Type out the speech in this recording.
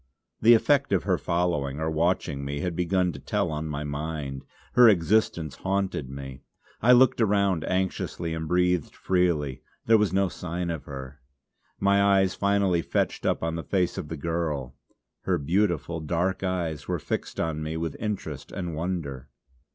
The effect of her following or watching me had begun to tell on my mind; her existence haunted me. I looked around anxiously, and breathed freely. There was no sign of her. My eyes finally fetched up on the face of the girl.... Her beautiful, dark eyes were fixed on me with interest and wonder.